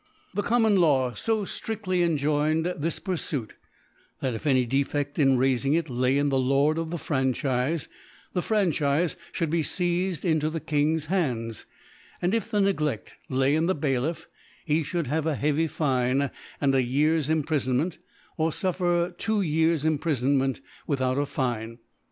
The .Common J^w fo ftri£lly enjoined this Purfuit, that if any Defed in raifing it lay in the Lord of the Franchiie, the Franchife ihould be feized into the King's Hands ; and if the Negleft lay in the Bai liff, he (hould have a heavy Fine, and a Year's Imprifonment, or fuflfer two Years Iteprifonment without a Fine %.